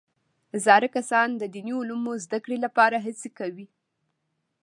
زاړه کسان د دیني علومو زده کړې لپاره هڅې کوي